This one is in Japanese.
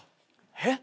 えっ？